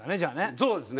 そうですね。